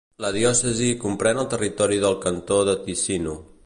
La diòcesi comprèn el territori del Cantó de Ticino.